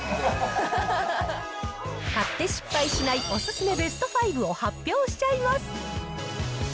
買って失敗しないお勧めベスト５を発表しちゃいます。